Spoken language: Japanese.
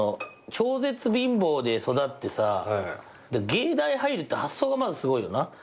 超絶貧乏で育ってさで芸大入るって発想がまずすごいよな。